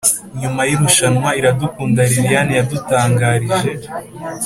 nyuma y'irushanwa iradukunda liliane yadutangarije